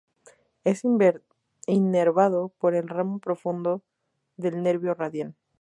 Es inervado por el ramo profundo del nervio radial.